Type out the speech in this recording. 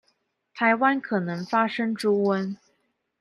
臺灣可能發生豬瘟